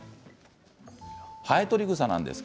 ハエトリグサです。